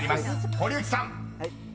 堀内さん］